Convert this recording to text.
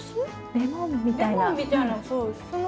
レモンみたいなそうその。